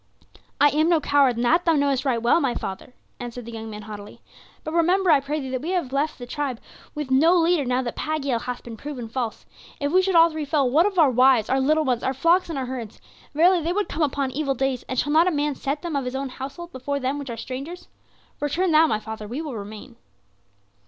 "I am no coward, and that thou knowest right well, my father," answered the young man haughtily; "but remember, I pray thee, that we have left the tribe with no leader now that Pagiel hath been proven false. If we should all three fall, what of our wives, our little ones, our flocks and our herds? Verily they would come upon evil days, and shall not a man set them of his own household before them which are strangers? Return thou, my father, we will remain."